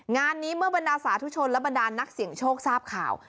งานนี้เมื่อบรรดาสาธุชนและบรรดานนักเสี่ยงโชคทราบข่าว